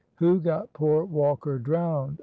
"Who got poor Walker drowned?